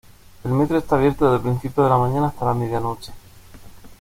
El metro está abierto desde principios de la mañana hasta la medianoche.